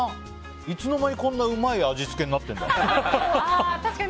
いつの間にこんなにうまい味付けになってるんだ。